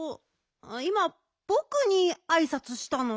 いまぼくにあいさつしたの？